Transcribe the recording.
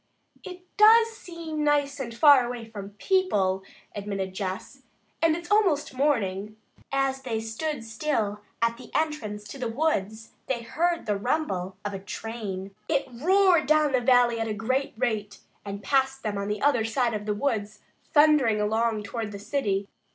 "It does seem nice and far away from people," admitted Jess, "and it's almost morning." As they stood still at the entrance to the woods, they heard the rumble of a train. It roared down the valley at a great rate and passed them on the other side of the woods, thundering along toward the city.